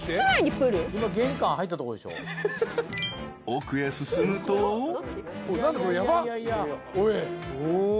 ［奥へ進むと］おおー。